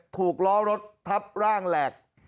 ถูกล้อรถทับร่างแหลก